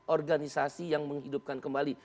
organisasi yang menghidupkan kembali